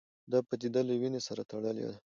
دا پدیده له وینې سره تړلې ده